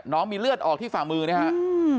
มีเลือดออกที่ฝ่ามือนะครับ